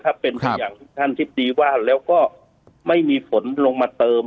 ถ้าเป็นที่ที่ดีกว่ะแล้วก็ไม่มีผลลงมาเติม